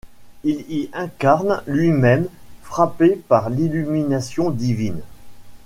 Il y incarne lui-même frappé par l'illumination divine.